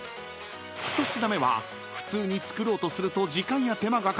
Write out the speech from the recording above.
［１品目は普通に作ろうとすると］